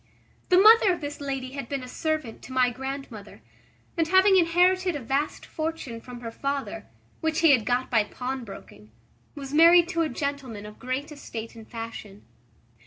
The mother of this lady had been a servant to my grand mother; and, having inherited a vast fortune from her father, which he had got by pawnbroking, was married to a gentleman of great estate and fashion.